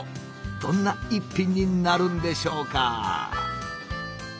どんな一品になるんでしょうか？